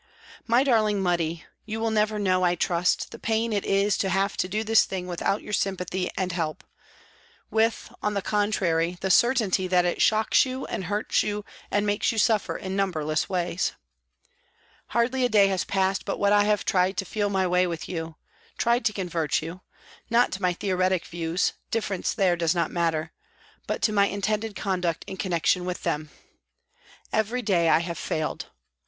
My darling Muddy, you will never know, I trust, the pain it is to have to do this thing without your sympathy and help with, on the contrary, the certainty that it shocks you and hurts you and makes you suffer in numberless ways. Hardly a day has passed but what I have tried to feel my way with you, tried to convert you not to my theoretic views, difference there does not matter, but to my intended conduct in connection with them. Every day I have failed.